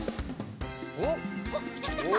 おっきたきたきた！